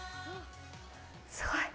すごい！